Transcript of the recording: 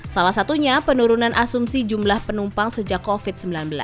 salah satunya penurunan asumsi jumlah penumpang sejak covid sembilan belas